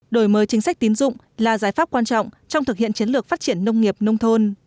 đổi mời chính sách tín dụng là giải pháp quan trọng trong thực hiện chiến lược phát triển nông nghiệp nông thôn